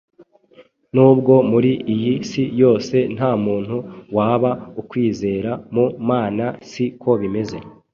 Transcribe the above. Nubwo muri iyi si yose nta muntu waba ukwizera, ku Mana si ko bimeze.